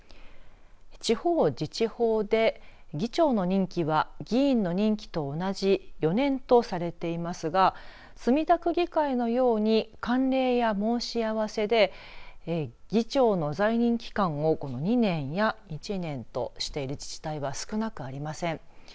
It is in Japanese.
地方自治法で議長の任期は、議員の任期と同じ４年とされていますが墨田区議会のように慣例や申し合わせで議長の在任期間を２年や１年としている自治体は少なくありません。